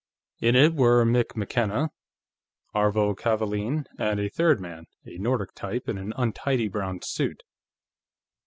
In it were Mick McKenna, Aarvo Kavaalen, and a third man, a Nordic type, in an untidy brown suit.